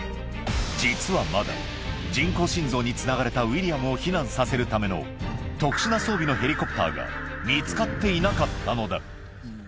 実はまだ人工心臓につながれたウィリアムを避難させるための特殊な装備のヘリコプターが見つかっていなかったのだ。